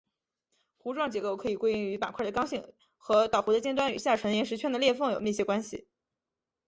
弧状结构可以归因于板块的刚性和岛弧的尖端与下沉岩石圈的裂缝有密切关系。